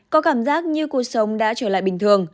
có cảm giác như cuộc sống đã trở lại bình thường